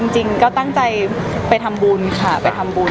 จริงก็ตั้งใจไปทำบุญค่ะ